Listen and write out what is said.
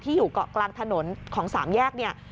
ที่อยู่กลางถนนของสามแยก